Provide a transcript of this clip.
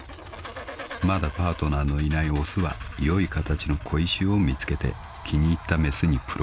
［まだパートナーのいない雄は良い形の小石を見つけて気に入った雌にプロポーズする］